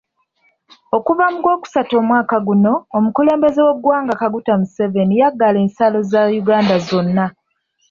Okuva mu gwokusatu omwaka guno, omukulembeze w'eggwanga Kaguta Museveni yaggala ensalo za Uganda zonna.